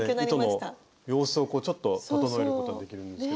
そうですね糸の様子をこうちょっと整えることもできるんですけど。